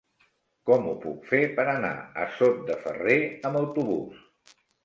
Com ho puc fer per anar a Sot de Ferrer amb autobús?